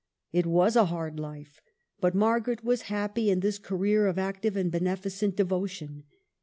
It was a hard life ; but Margaret was happy in this career of active and beneficent devotion.